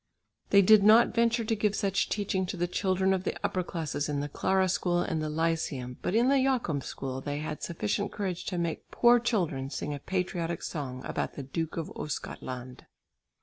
They did not venture to give such teaching to the children of the upper classes in the Clara School and the Lyceum, but in the Jakob School they had sufficient courage to make poor children sing a patriotic song about the Duke of Ostgothland.